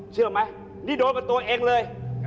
เชื่อไหมนี่โดนกับตัวเองเลย